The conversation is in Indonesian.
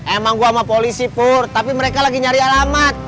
emang gue sama polisi pur tapi mereka lagi nyari alamat